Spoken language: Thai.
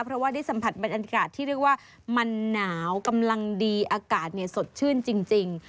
เพราะว่าได้สัมผัสบรรยากาศที่เรียกว่ามันหนาวกำลังดีอากาศสดชื่นจริง